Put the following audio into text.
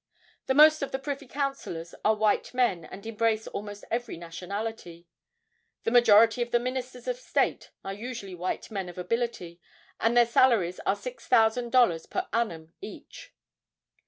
The most of the Privy Councillors are white men, and embrace almost every nationality. The majority of the ministers of state are usually white men of ability, and their salaries are six thousand dollars per annum each.